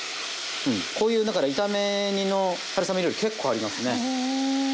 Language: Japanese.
うんこういうだから炒め煮の春雨料理結構ありますね。